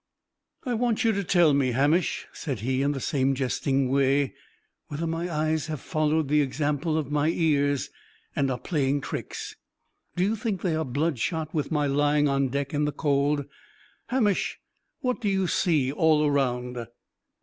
"I want you to tell me, Hamish," said he, in the same jesting way, "whether my eyes have followed the example of my ears, and are playing tricks. Do you think they are bloodshot, with my lying on deck in the cold? Hamish, what do you see all around?"